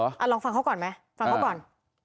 ลองฟังเขาก่อนไหมฟังเขาก่อน